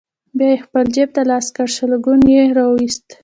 بيا يې خپل جيب ته لاس کړ، شلګون يې راوايست: